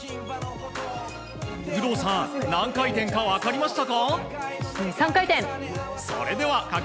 有働さん、何回転か分かりましたか？